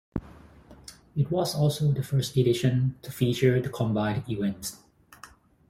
It was also the first edition to feature the combined events.